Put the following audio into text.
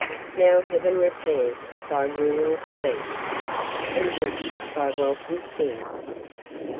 Now Heaven repairs thy rural seat, And woods thy welcome sing.